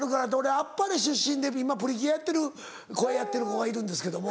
『あっぱれ』出身で今『プリキュア』やってる子がいるんですけども。